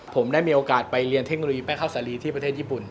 ผมได้มีโอกาสไปเรียนเทคโนโลยีแม่ข้าวสาลีที่ประเทศญี่ปุ่น